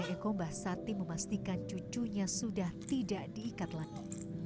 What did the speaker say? eko bahsati memastikan cucunya sudah tidak diikat lagi